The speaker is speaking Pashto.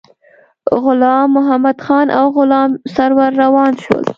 غلام محمدخان او غلام سرور روان شول.